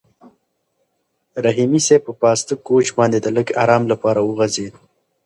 رحیمي صیب په پاسته کوچ باندې د لږ ارام لپاره وغځېد.